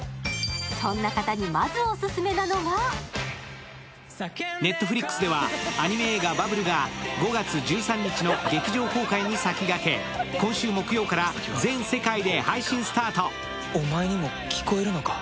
そんな方に、まずオススメなのがＮｅｔｆｌｉｘではアニメ映画「バブル」が５月１３日の劇場公開に先駆け、今週木曜から全世界で配信スタート。